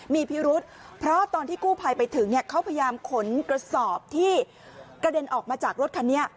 มีพิรุษเพราะตอนที่กู้ภัยไปถึงเขาพยายามขนกระสอบที่กระเด็นออกมาจากรถคันนี้